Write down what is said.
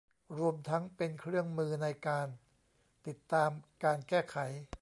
รวมทั้งเป็นเครื่องมือในการติดตามการแก้ไข